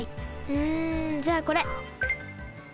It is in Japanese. うんじゃあこれ。